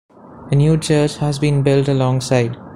A new church has been built alongside.